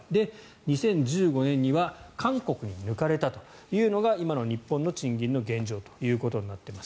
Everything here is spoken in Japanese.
２０１５年には韓国に抜かれたというのが今の日本の賃金の現状ということになっています。